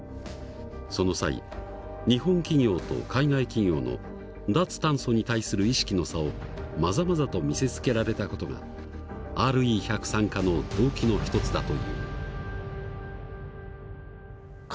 その際日本企業と海外企業の脱炭素に対する意識の差をまざまざと見せつけられた事がＲＥ１００参加の動機の一つだという。